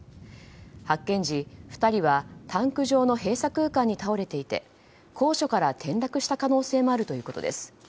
発見時、２人はタンク上の閉鎖空間に倒れていて高所から転落した可能性もあるということです。